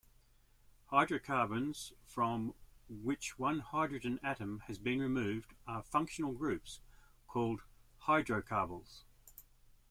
Hydrocarbons from which one hydrogen atom has been removed are functional groups, called hydrocarbyls.